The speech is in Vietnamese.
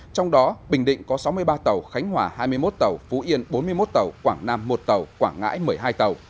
trong đó bình định có sáu mươi ba tàu khánh hòa hai mươi một tàu phú yên bốn mươi một tàu quảng nam một tàu quảng ngãi một mươi hai tàu